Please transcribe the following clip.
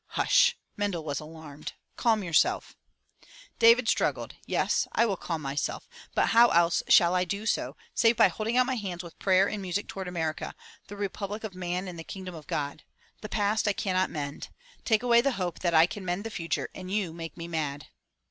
"Hush!" Mendel was alarmed. "Calm yourself." David struggled. "Yes, I will calm myself, but how else shall I do so, save by holding out my hands with prayer and music towards America, the Republic of Man and the Kingdom of God? The past I cannot mend. Take away the hope that I can mend the future and you make me mad."